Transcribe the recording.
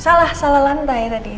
salah salah lantai tadi